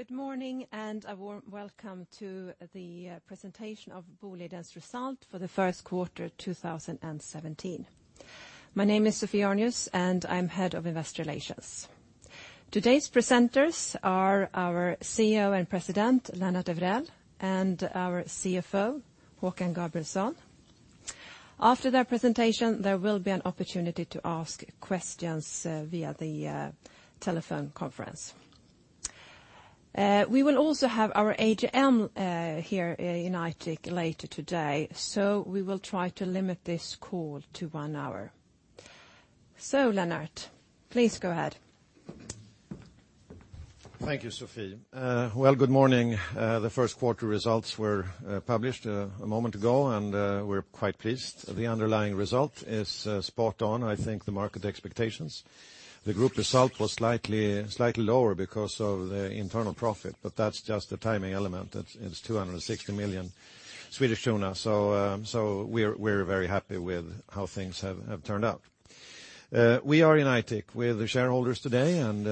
Good morning, and a warm welcome to the presentation of Boliden's result for the first quarter 2017. My name is Sophie Arnius, and I'm head of investor relations. Today's presenters are our CEO and President, Lennart Evrell, and our CFO, Håkan Gabrielsson. After their presentation, there will be an opportunity to ask questions via the telephone conference. We will also have our AGM here in Aitik later today, so we will try to limit this call to one hour. Lennart, please go ahead. Thank you, Sophie. Well, good morning. The first quarter results were published a moment ago, and we're quite pleased. The underlying result is spot on, I think the market expectations. The group result was slightly lower because of the internal profit, but that's just a timing element. It's 260 million Swedish kronor. We're very happy with how things have turned out. We are in Aitik with the shareholders today, and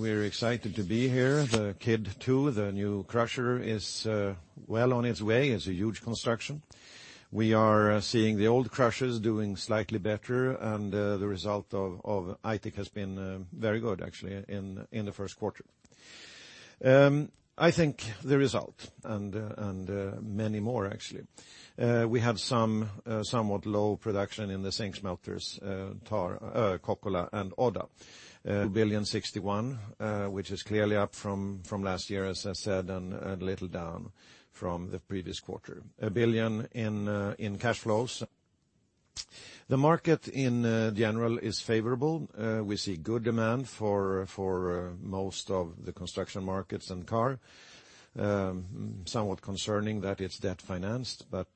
we're excited to be here. The KID 2, the new crusher, is well on its way. It's a huge construction. We are seeing the old crushers doing slightly better, and the result of Aitik has been very good, actually, in the first quarter. I think the result, and many more, actually. We have somewhat low production in the zinc smelters, Tara, Kokkola, and Odda. 2.61 billion, which is clearly up from last year, as I said, and a little down from the previous quarter. 1 billion in cash flows. The market, in general, is favorable. We see good demand for most of the construction markets and car. Somewhat concerning that it's debt-financed, but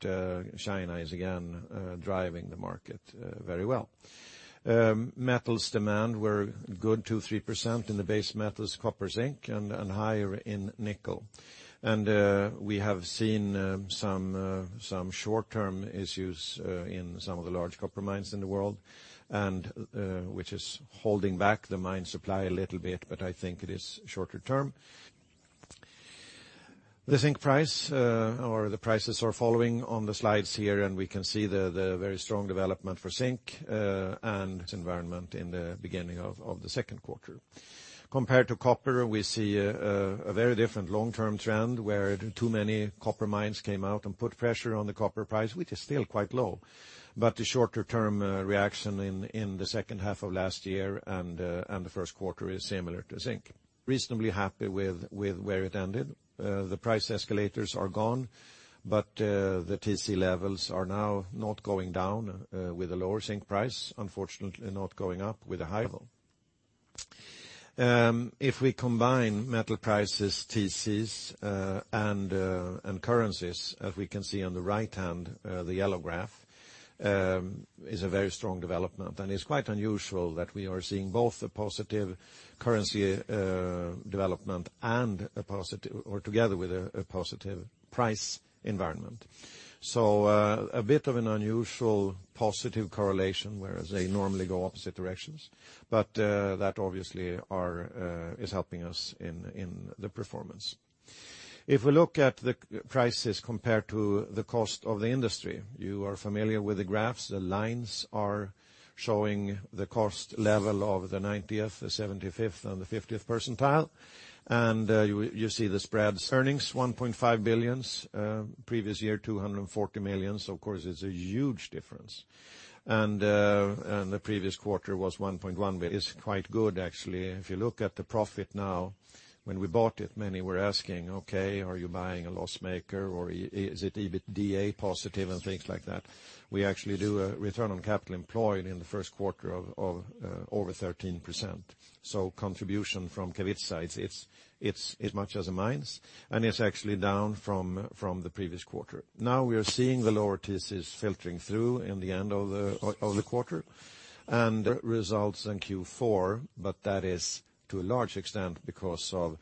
China is again driving the market very well. Metals demand were good, 2%-3% in the base metals, copper, zinc, and higher in nickel. We have seen some short-term issues in some of the large copper mines in the world, which is holding back the mine supply a little bit, but I think it is shorter term. The zinc price or the prices are following on the slides here, and we can see the very strong development for zinc and its environment in the beginning of the second quarter. Compared to copper, we see a very different long-term trend, where too many copper mines came out and put pressure on the copper price, which is still quite low. The shorter-term reaction in the second half of last year and the first quarter is similar to zinc. Reasonably happy with where it ended. The price escalators are gone, but the TC levels are now not going down with a lower zinc price. Unfortunately, not going up with a high level. If we combine metal prices, TCs, and currencies, as we can see on the right hand, the yellow graph, is a very strong development. It's quite unusual that we are seeing both the positive currency development and a positive or together with a positive price environment. A bit of an unusual positive correlation, whereas they normally go opposite directions, but that obviously is helping us in the performance. If we look at the prices compared to the cost of the industry, you are familiar with the graphs. The lines are showing the cost level of the 90th, the 75th, and the 50th percentile. You see the spreads. Earnings, 1.5 billion. Previous year, 240 million. Of course, it's a huge difference. The previous quarter was 1.1 billion. It's quite good, actually. If you look at the profit now, when we bought it, many were asking, "Okay, are you buying a loss-maker or is it EBITDA positive?" and things like that. We actually do a return on capital employed in the first quarter of over 13%. Contribution from Kevitsa, it's as much as the mines, and it's actually down from the previous quarter. Now we are seeing the lower TCs filtering through in the end of the quarter. Results in Q4, but that is, to a large extent, because of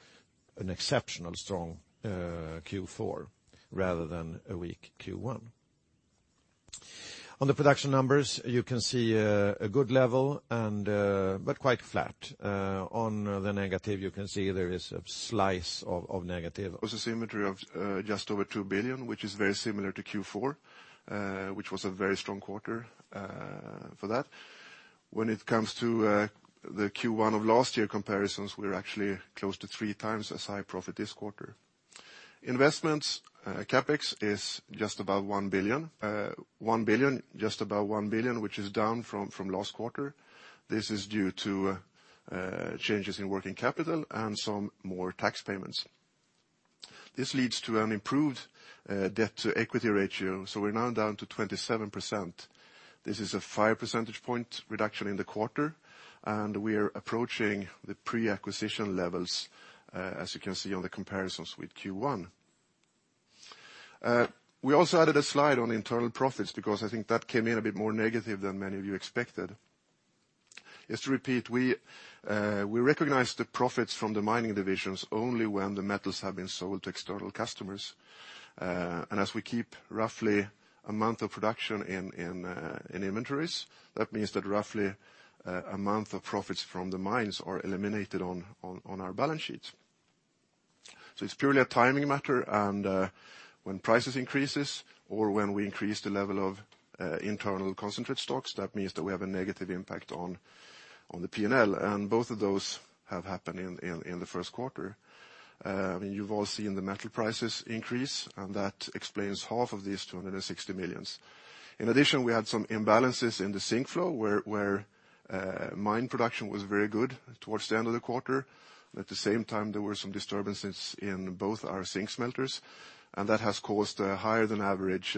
an exceptional strong Q4 rather than a weak Q1. On the production numbers, you can see a good level but quite flat. On the negative, you can see there is a slice of negative. It was a symmetry of just over 2 billion, which is very similar to Q4, which was a very strong quarter for that. When it comes to the Q1 of last year comparisons, we're actually close to three times as high profit this quarter. Investments, CapEx is just above 1 billion. Just about 1 billion, which is down from last quarter. This is due to changes in working capital and some more tax payments. This leads to an improved debt-to-equity ratio, so we're now down to 27%. This is a 5 percentage point reduction in the quarter, and we are approaching the pre-acquisition levels, as you can see on the comparisons with Q1. We also added a slide on internal profits because I think that came in a bit more negative than many of you expected. Just to repeat, we recognize the profits from the mining divisions only when the metals have been sold to external customers. As we keep roughly a month of production in inventories. That means that roughly a month of profits from the mines are eliminated on our balance sheet. It's purely a timing matter, and when prices increase, or when we increase the level of internal concentrate stocks, that means that we have a negative impact on the P&L. Both of those have happened in the first quarter. You've all seen the metal prices increase, and that explains half of these 260 million. In addition, we had some imbalances in the zinc flow, where mine production was very good towards the end of the quarter. At the same time, there were some disturbances in both our zinc smelters, that has caused higher than average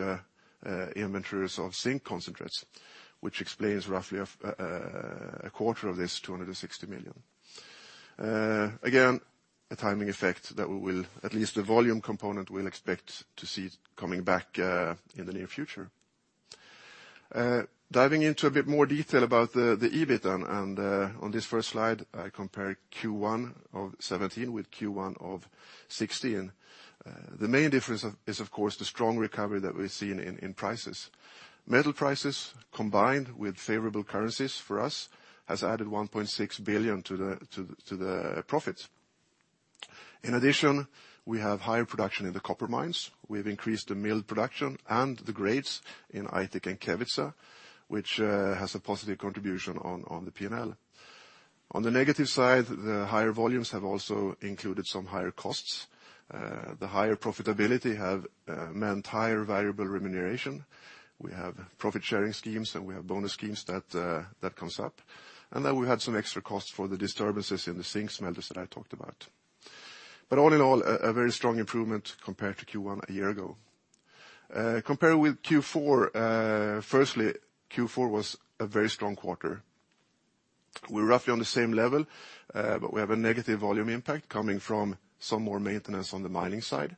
inventories of zinc concentrates, which explains roughly a quarter of this 260 million. Again, a timing effect that we will, at least the volume component, we'll expect to see coming back in the near future. Diving into a bit more detail about the EBIT. On this first slide, I compare Q1 2017 with Q1 2016. The main difference is, of course, the strong recovery that we've seen in prices. Metal prices combined with favorable currencies for us has added 1.6 billion to the profits. In addition, we have higher production in the copper mines. We've increased the mill production and the grades in Aitik and Kevitsa, which has a positive contribution on the P&L. On the negative side, the higher volumes have also included some higher costs. The higher profitability have meant higher variable remuneration. We have profit-sharing schemes, and we have bonus schemes that comes up. We had some extra costs for the disturbances in the zinc smelters that I talked about. All in all, a very strong improvement compared to Q1 a year ago. Compared with Q4, firstly, Q4 was a very strong quarter. We're roughly on the same level, but we have a negative volume impact coming from some more maintenance on the mining side.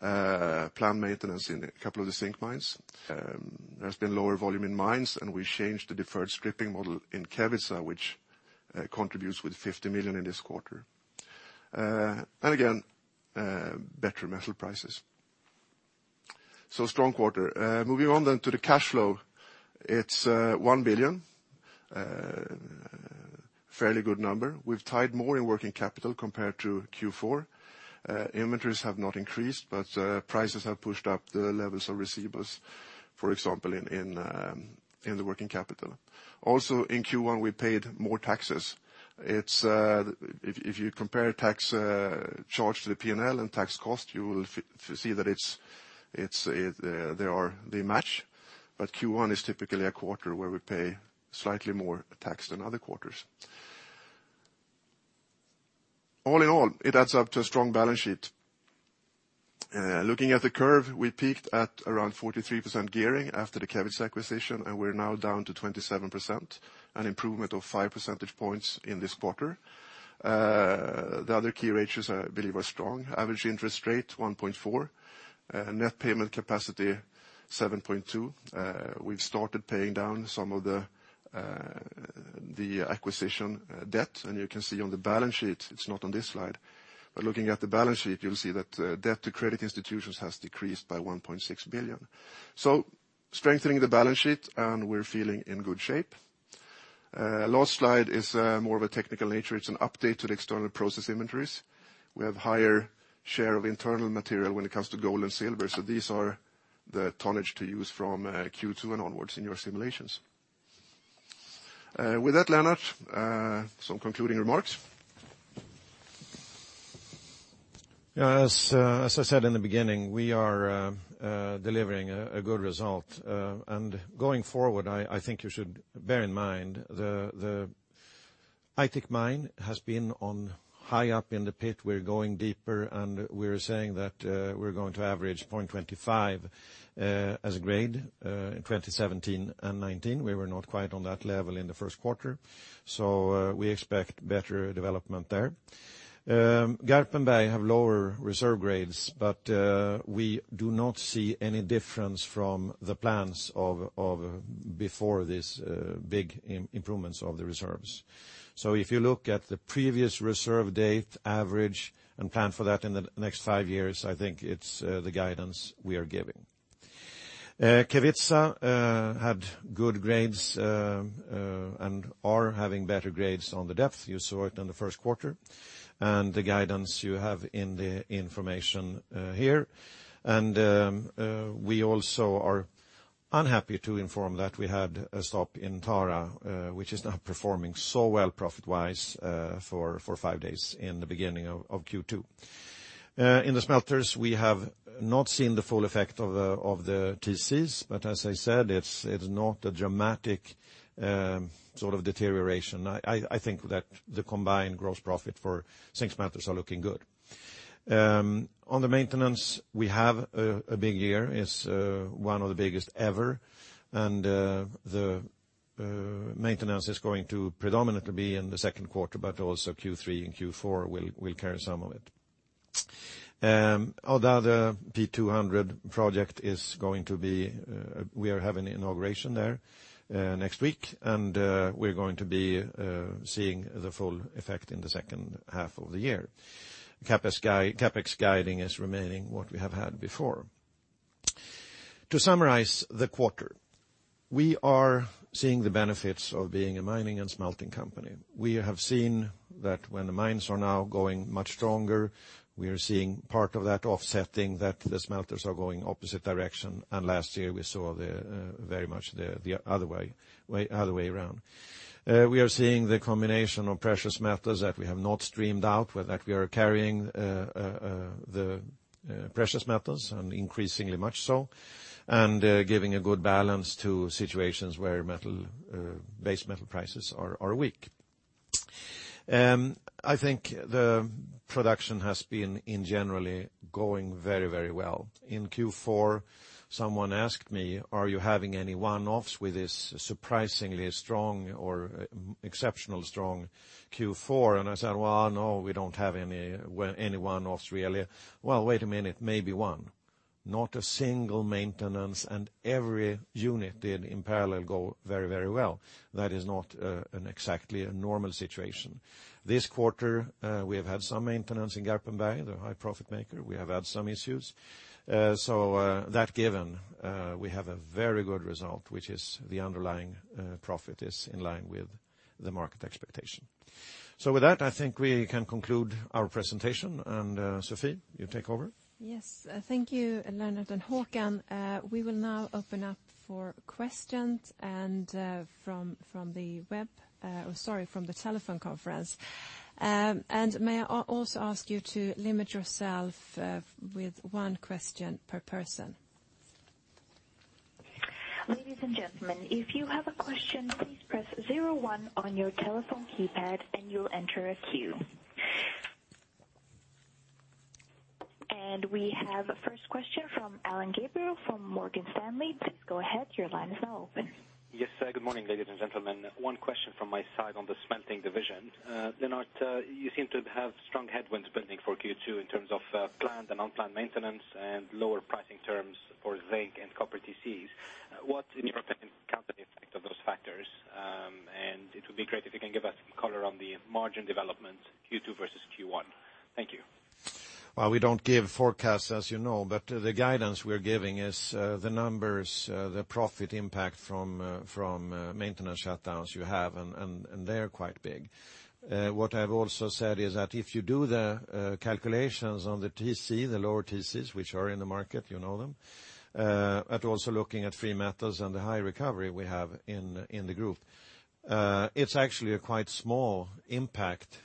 Planned maintenance in a couple of the zinc mines. There's been lower volume in mines, and we changed the deferred stripping model in Kevitsa, which contributes with 50 million in this quarter. Again, better metal prices. Strong quarter. Moving on to the cash flow. It's 1 billion. Fairly good number. We've tied more in working capital compared to Q4. Inventories have not increased, prices have pushed up the levels of receivables, for example, in the working capital. Also, in Q1, we paid more taxes. If you compare tax charge to the P&L and tax cost, you will see that they match. Q1 is typically a quarter where we pay slightly more tax than other quarters. All in all, it adds up to a strong balance sheet. Looking at the curve, we peaked at around 43% gearing after the Kevitsa acquisition, and we're now down to 27%, an improvement of f5 percentage points in this quarter. The other key ratios I believe are strong. Average interest rate, 1.4%. Net payment capacity, 7.2%. We've started paying down some of the acquisition debt, you can see on the balance sheet, it's not on this slide, looking at the balance sheet, you'll see that debt to credit institutions has decreased by 1.6 billion. Strengthening the balance sheet, we're feeling in good shape. Last slide is more of a technical nature. It's an update to the external process inventories. We have higher share of internal material when it comes to gold and silver, so these are the tonnage to use from Q2 and onwards in your simulations. With that, Lennart, some concluding remarks. Yeah, as I said in the beginning, we are delivering a good result. Going forward, I think you should bear in mind the Aitik mine has been on high up in the pit. We are going deeper, and we are saying that we are going to average 0.25 as grade in 2017 and 2019. We were not quite on that level in the first quarter. We expect better development there. Garpenberg have lower reserve grades, but we do not see any difference from the plans of before this big improvements of the reserves. If you look at the previous reserve date average and plan for that in the next five years, I think it is the guidance we are giving. Kevitsa had good grades, and are having better grades on the depth. You saw it in the first quarter. The guidance you have in the information here. We also are unhappy to inform that we had a stop in Tara, which is now performing so well profit-wise, for five days in the beginning of Q2. In the smelters, we have not seen the full effect of the TCs. As I said, it is not a dramatic sort of deterioration. I think that the combined gross profit for zinc smelters are looking good. On the maintenance, we have a big year. It is one of the biggest ever, and the maintenance is going to predominantly be in the second quarter, but also Q3 and Q4 will carry some of it. Our other P200 project is going to be, we are having inauguration there next week, and we are going to be seeing the full effect in the second half of the year. CapEx guiding is remaining what we have had before. To summarize the quarter, we are seeing the benefits of being a mining and smelting company. We have seen that when the mines are now going much stronger, we are seeing part of that offsetting that the smelters are going opposite direction, and last year we saw very much the other way around. We are seeing the combination of precious metals that we have not streamed out, where we are carrying the precious metals, and increasingly much so, and giving a good balance to situations where base metal prices are weak. I think the production has been, in general, going very well. In Q4, someone asked me, "Are you having any one-offs with this surprisingly strong or exceptional strong Q4?" I said, "Well, no, we do not have any one-offs, really. Well, wait a minute. Maybe one." Not a single maintenance and every unit did, in parallel, go very well. That is not exactly a normal situation. This quarter, we have had some maintenance in Garpenberg, the high profit maker. We have had some issues. That given, we have a very good result, which is the underlying profit is in line with the market expectation. With that, I think we can conclude our presentation. Sophie, you take over. Yes. Thank you, Lennart and Håkan. We will now open up for questions from the telephone conference. May I also ask you to limit yourself with one question per person. Ladies and gentlemen, if you have a question, please press zero one on your telephone keypad and you'll enter a queue. We have a first question from Alain Gabriel from Morgan Stanley. Please go ahead. Your line is now open. Yes. Good morning, ladies and gentlemen. One question from my side on the smelting division. Lennart, you seem to have strong headwinds building for Q2 in terms of planned and unplanned maintenance and lower pricing terms for zinc and copper TCs. What company effect of those factors? It would be great if you can give us some color on the margin development Q2 versus Q1. Thank you. Well, we don't give forecasts, as you know, but the guidance we're giving is the numbers, the profit impact from maintenance shutdowns you have, they're quite big. What I've also said is that if you do the calculations on the lower TCs, which are in the market, you know them, but also looking at free metals and the high recovery we have in the group. It's actually a quite small impact,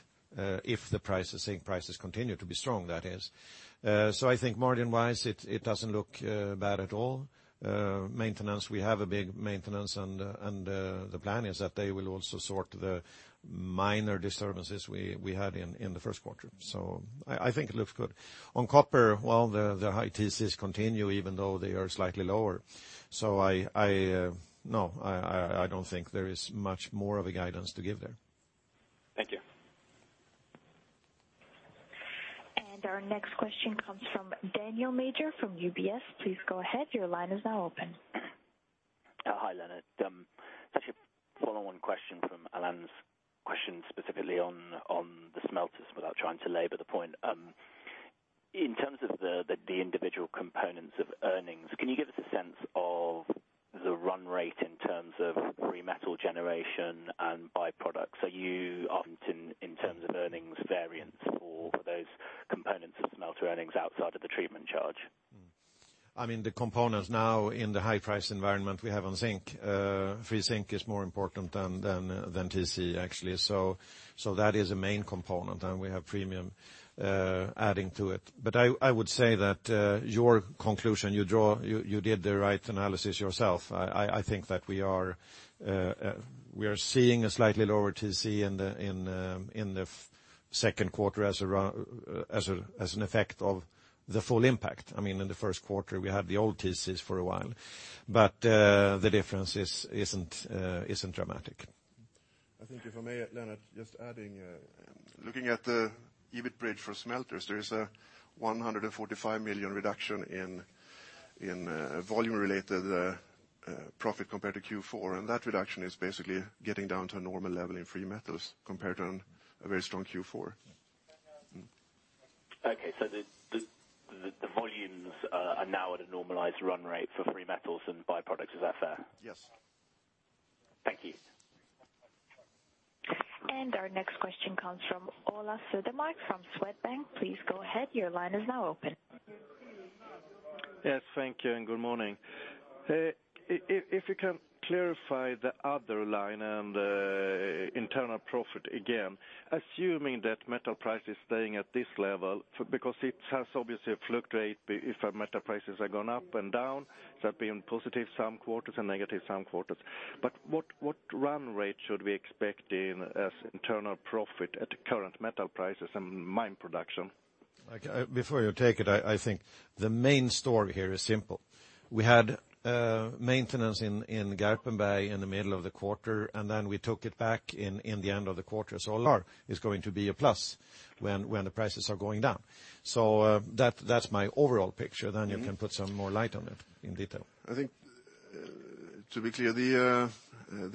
if the zinc prices continue to be strong, that is. I think margin-wise, it doesn't look bad at all. Maintenance, we have a big maintenance, the plan is that they will also sort the minor disturbances we had in the first quarter. I think it looks good. On copper, well, the high TCs continue, even though they are slightly lower. No, I don't think there is much more of a guidance to give there. Thank you. Our next question comes from Daniel Major from UBS. Please go ahead, your line is now open. Hi, Lennart. Just a follow-on question from Alain's question specifically on the smelters, without trying to labor the point. In terms of the individual components of earnings, can you give us a sense of the run rate in terms of free metal generation and byproducts? Are you often, in terms of earnings variance or for those components of smelter earnings outside of the treatment charge? The components now in the high price environment we have on zinc. free zinc is more important than TC, actually. That is a main component, and we have premium adding to it. I would say that your conclusion you draw, you did the right analysis yourself. I think that we are seeing a slightly lower TC in the second quarter as an effect of the full impact. In the first quarter, we had the old TCs for a while. The difference isn't dramatic. I think if I may, Lennart, just adding. Looking at the EBIT bridge for smelters, there is a 145 million reduction in volume-related profit compared to Q4. That reduction is basically getting down to a normal level in free metals compared to a very strong Q4. Okay. The volumes are now at a normalized run rate for free metals and byproducts. Is that fair? Yes. Thank you. Our next question comes from Ola Södermark from Swedbank. Please go ahead. Your line is now open. Thank you and good morning. If you can clarify the other line and internal profit again, assuming that metal price is staying at this level, because it has obviously fluctuated if metal prices are going up and down. That being positive some quarters and negative some quarters. What run rate should we expect in, as internal profit at the current metal prices and mine production? Before you take it, I think the main story here is simple. We had maintenance in Garpenberg in the middle of the quarter, and then we took it back in the end of the quarter. Lar is going to be a plus when the prices are going down. That's my overall picture. You can put some more light on it in detail. To be clear, the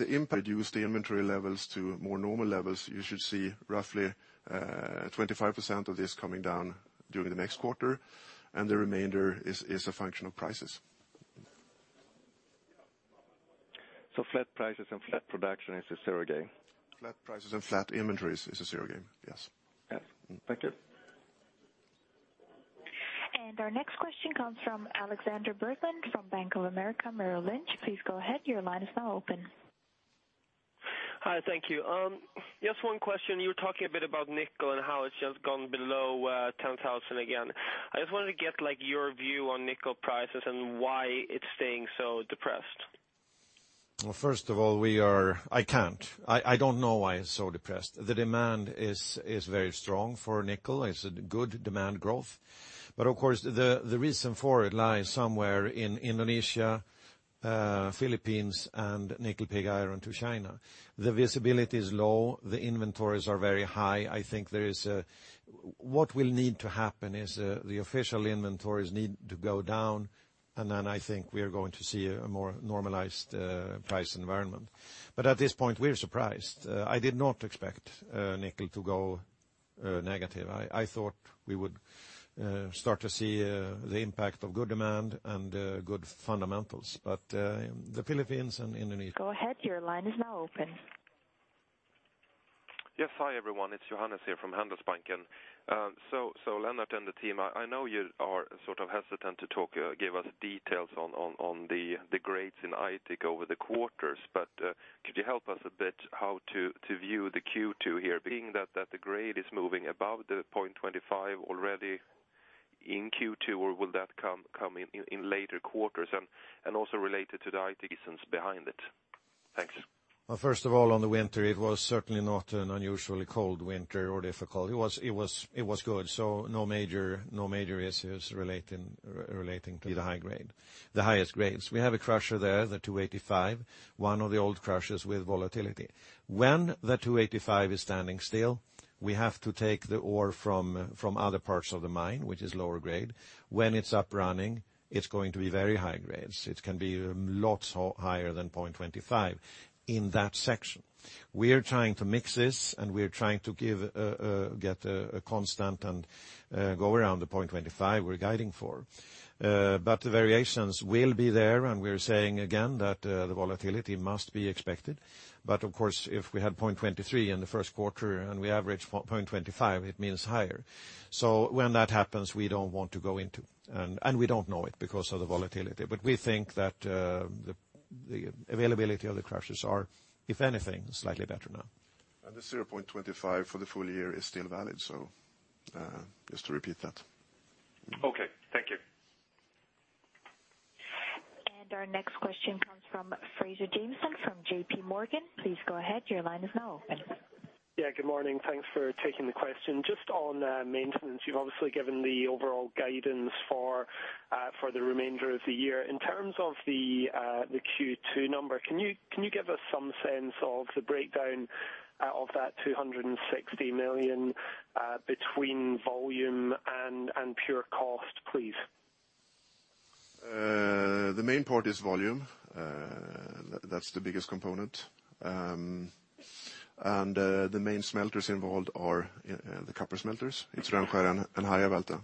impact reduced the inventory levels to more normal levels. You should see roughly 25% of this coming down during the next quarter, and the remainder is a function of prices. Flat prices and flat production is a zero game? Flat prices and flat inventories is a zero game. Yes. Yes. Thank you. Our next question comes from Jason Fairclough from Bank of America Merrill Lynch. Please go ahead. Your line is now open. Hi. Thank you. Just one question. You were talking a bit about nickel and how it's just gone below 10,000 again. I just wanted to get your view on nickel prices and why it's staying so depressed. Well, first of all, I can't. I don't know why it is so depressed. The demand is very strong for nickel. It is a good demand growth. Of course, the reason for it lies somewhere in Indonesia, Philippines, and nickel pig iron to China. The visibility is low. The inventories are very high. I think what will need to happen is the official inventories need to go down, and then I think we are going to see a more normalized price environment. At this point, we are surprised. I did not expect nickel to go negative. I thought we would start to see the impact of good demand and good fundamentals. The Philippines and Indonesia- Go ahead. Your line is now open. Yes. Hi, everyone. It is Johannes here from Handelsbanken. Lennart and the team, I know you are sort of hesitant to give us details on the grades in Aitik over the quarters, could you help us a bit how to view the Q2 here, being that the grade is moving above the 0.25 already in Q2, or will that come in later quarters? Also related to the Aitik reasons behind it. Thanks. Well, first of all, on the winter, it was certainly not an unusually cold winter or difficult. It was good. No major issues relating to the high grade. The highest grades. We have a crusher there, the 285, one of the old crushers with volatility. When the 285 is standing still, we have to take the ore from other parts of the mine, which is lower grade. When it is up running, it is going to be very high grades. It can be lots higher than 0.25 in that section. We are trying to mix this, and we are trying to get a constant and go around the 0.25 we are guiding for. The variations will be there, and we are saying again that the volatility must be expected. Of course, if we had 0.23 in the first quarter and we average 0.25, it means higher. When that happens, we don't want to go into, we don't know it because of the volatility. We think that the availability of the crushers are, if anything, slightly better now. The 0.25 for the full year is still valid, just to repeat that. Okay. Thank you. Our next question comes from Fraser Jamieson from JPMorgan. Please go ahead. Your line is now open. Yeah, good morning. Thanks for taking the question. Just on maintenance, you've obviously given the overall guidance for the remainder of the year. In terms of the Q2 number, can you give us some sense of the breakdown of that 260 million between volume and pure cost, please? The main part is volume. That's the biggest component. The main smelters involved are the copper smelters. It's Rönnskär and Harjavalta.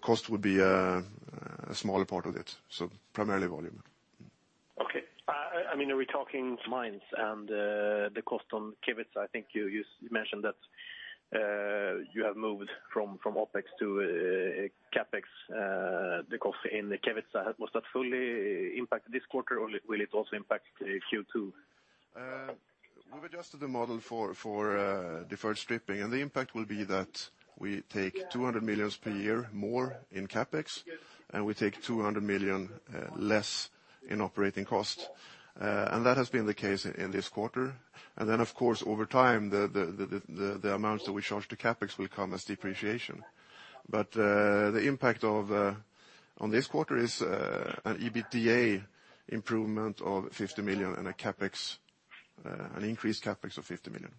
Cost would be a smaller part of it. Primarily volume. Okay. Are we talking mines and the cost on Kevitsa? I think you mentioned that you have moved from OpEx to CapEx, the cost in the Kevitsa. Was that fully impacted this quarter, or will it also impact Q2? We've adjusted the model for deferred stripping, the impact will be that we take 200 million per year more in CapEx, and we take 200 million less in operating cost. That has been the case in this quarter. Then, of course, over time, the amounts that we charge to CapEx will come as depreciation. The impact on this quarter is an EBITDA improvement of 50 million and an increased CapEx of 50 million.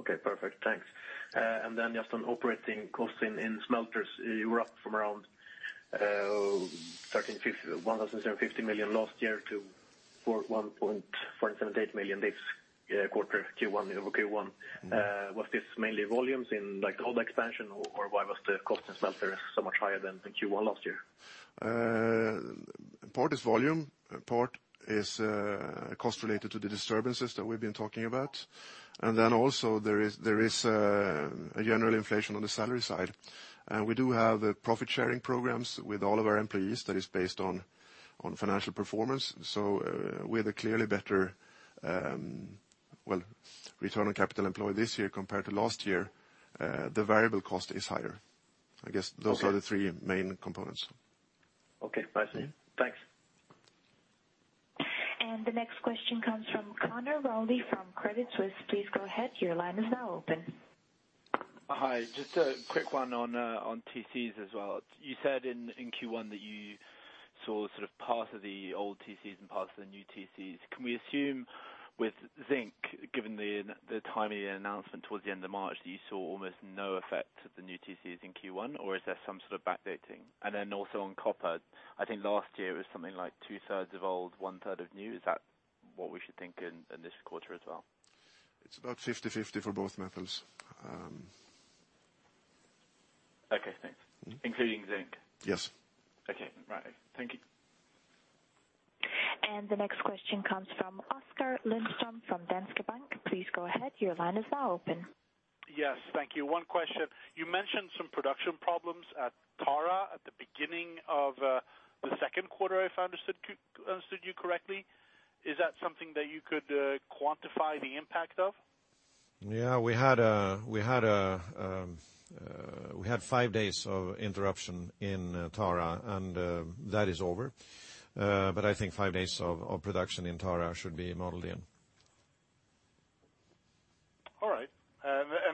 Okay, perfect. Thanks. Just on operating cost in smelters, you were up from around 1,750 million last year to 478 million this quarter Q1 over Q1. Was this mainly volumes in the Odda expansion, or why was the cost in smelters so much higher than in Q1 last year? Part is volume, part is cost related to the disturbances that we've been talking about. Also there is a general inflation on the salary side. We do have profit-sharing programs with all of our employees that is based on financial performance. With a clearly better return on capital employed this year compared to last year, the variable cost is higher. I guess those are the three main components. Okay. I see. Thanks. The next question comes from Conor Rowley from Credit Suisse. Please go ahead. Your line is now open. Hi. Just a quick one on TCs as well. You said in Q1 that you saw sort of part of the old TCs and part of the new TCs. Can we assume with zinc, given the timing of the announcement towards the end of March, you saw almost no effect of the new TC in Q1, or is there some sort of backdating? Also on copper, I think last year it was something like two-thirds of old, one-third of new. Is that what we should think in this quarter as well? It's about 50-50 for both metals. Okay, thanks. Including zinc? Yes. Okay. Right. Thank you. The next question comes from Oskar Lindström from Danske Bank. Please go ahead. Your line is now open. Yes, thank you. One question. You mentioned some production problems at Tara at the beginning of the second quarter, if I understood you correctly. Is that something that you could quantify the impact of? Yes, we had five days of interruption in Tara, and that is over. I think five days of production in Tara should be modeled in. All right.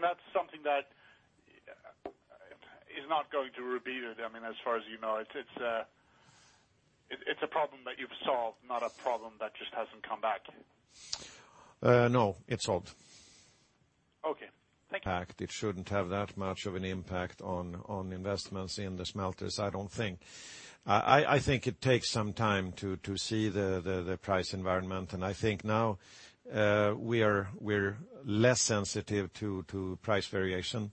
That's something that is not going to repeat, as far as you know. It's a problem that you've solved, not a problem that just hasn't come back. No, it's solved. Okay. Thank you. It shouldn't have that much of an impact on investments in the smelters, I don't think. I think it takes some time to see the price environment, and I think now we're less sensitive to price variation,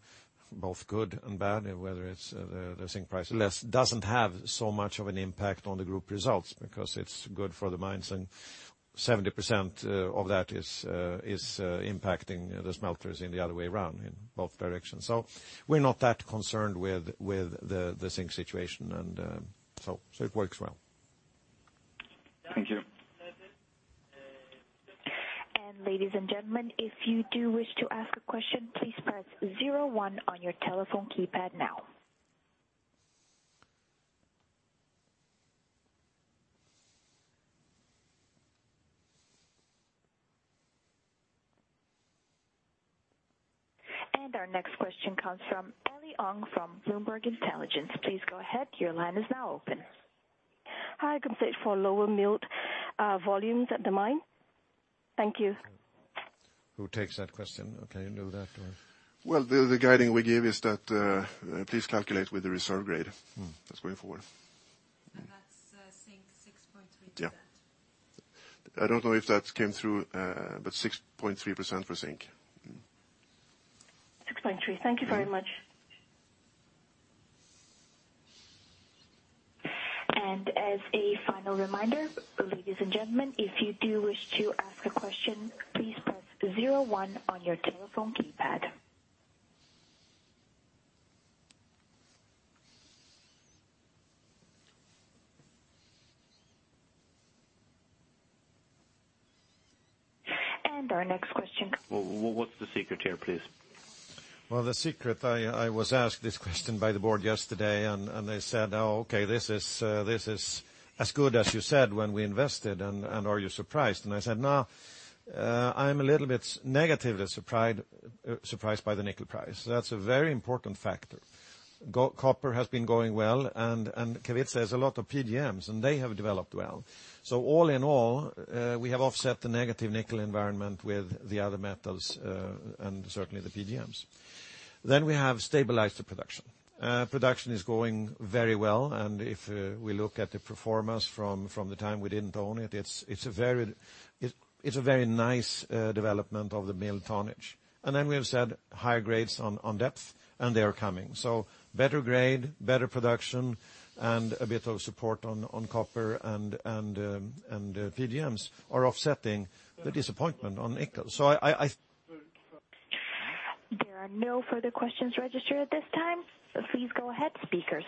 both good and bad, whether it's the zinc price. Doesn't have so much of an impact on the group results because it's good for the mines, and 70% of that is impacting the smelters in the other way around in both directions. We're not that concerned with the zinc situation. It works well. Thank you. Ladies and gentlemen, if you do wish to ask a question, please press zero oneon your telephone keypad now. Our next question comes from Eily Ong from Bloomberg Intelligence. Please go ahead. Your line is now open. Hi, can you say for lower mill volumes at the mine? Thank you. Who takes that question? Okay, you know that or? Well, the guiding we give is that please calculate with the reserve grade that's going forward. That's zinc, 6.3%. Yeah. I don't know if that came through, but 6.3% for zinc. 6.3%. Thank you very much. As a final reminder, ladies and gentlemen, if you do wish to ask a question, please press zero one on your telephone keypad. Our next question. What's the secret here, please? Well, the secret, I was asked this question by the board yesterday, and they said, "Oh, okay, this is as good as you said when we invested, and are you surprised?" I said, "No, I'm a little bit negatively surprised by the nickel price." That's a very important factor. Copper has been going well, and Kevitsa has a lot of PGMs, and they have developed well. All in all, we have offset the negative nickel environment with the other metals and certainly the PGMs. We have stabilized the production. Production is going very well, and if we look at the performance from the time we didn't own it's a very nice development of the mill tonnage. We have said higher grades on depth, and they are coming. Better grade, better production, and a bit of support on copper and PGMs are offsetting the disappointment on nickel. There are no further questions registered at this time. Please go ahead, speakers.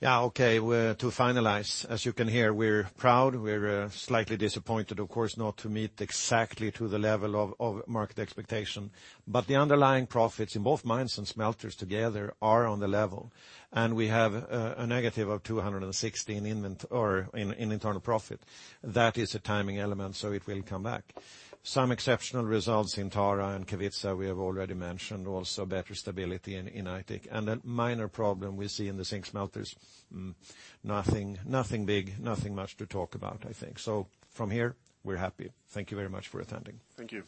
To finalize, as you can hear, we're proud. We're slightly disappointed, of course, not to meet exactly to the level of market expectation. The underlying profits in both mines and smelters together are on the level, and we have a negative of 260 million internal profit. That is a timing element, so it will come back. Some exceptional results in Tara and Kevitsa we have already mentioned. Also better stability in Aitik, and a minor problem we see in the zinc smelters. Nothing big, nothing much to talk about, I think. From here, we're happy. Thank you very much for attending. Thank you.